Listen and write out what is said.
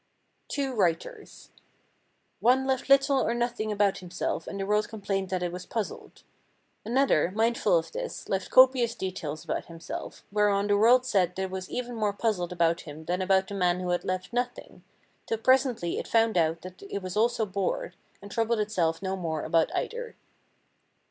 Two Writers One left little or nothing about himself and the world complained that it was puzzled. Another, mindful of this, left copious details about himself, whereon the world said that it was even more puzzled about him than about the man who had left nothing, till presently it found out that it was also bored, and troubled itself no more about either.